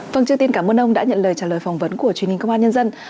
vâng trước tiên cảm ơn ông đã nhận lời trả lời phỏng vấn của truyền hình công an nhân dân